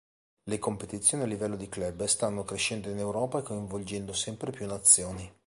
Le competizioni a livello di club stanno crescendo in Europa coinvolgendo sempre più Nazioni.